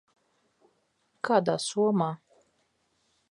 Kādā somā?